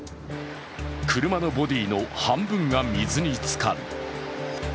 車のボディーの半分が水につかる。